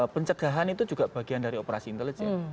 pencegahan itu juga bagian dari operasi intelijen